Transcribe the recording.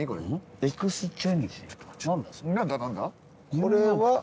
これは。